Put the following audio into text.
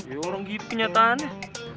ya orang gitu kenyataannya